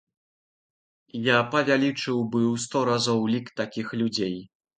Я павялічыў бы ў сто разоў лік такіх людзей.